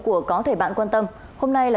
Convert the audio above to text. của có thể bạn quan tâm hôm nay là